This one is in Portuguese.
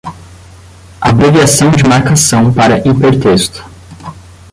Abreviação de marcação para hipertexto